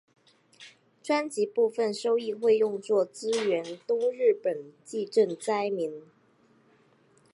专辑部分收益会用作支援东日本地震灾民。